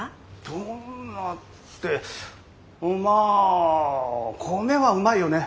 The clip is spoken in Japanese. どんなってまあ米はうまいよね。